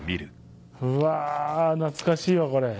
懐かしいわこれ。